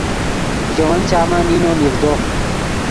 ژے ون چامن اینو نیڤدو